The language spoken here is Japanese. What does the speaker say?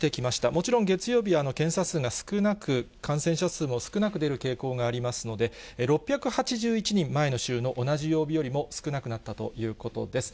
もちろん月曜日は検査数が少なく、感染者数も少なく出る傾向がありますので、６８１人、前の週の同じ曜日よりも少なくなったということです。